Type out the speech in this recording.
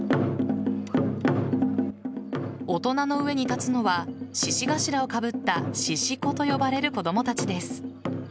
大人の上に立つのは獅子頭をかぶった獅子子と呼ばれる子供たちです。